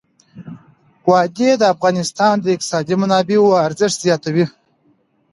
وادي د افغانستان د اقتصادي منابعو ارزښت زیاتوي.